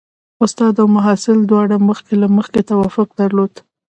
استاد او محصل دواړو مخکې له مخکې توافق درلود.